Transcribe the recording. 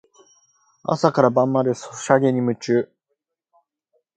朝から晩までソシャゲに夢中